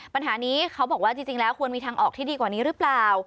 ปัญหานี้เขาบอกว่าจริงแล้วควรมีทางออกที่ดีกว่านี้หรือเปล่า